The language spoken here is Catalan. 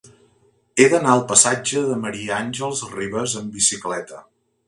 He d'anar al passatge de Ma. Àngels Rivas amb bicicleta.